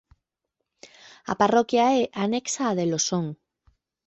A parroquia é anexa á de Losón.